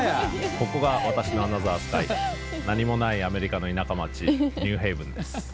ここが私のアナザースカイ何もないアメリカの田舎町ニューヘイブンです。